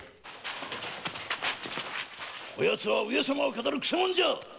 こやつは上様を騙るくせ者じゃ！